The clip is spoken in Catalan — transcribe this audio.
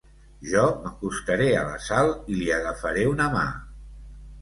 Jo m'acostaré a la Sal i li agafaré una mà.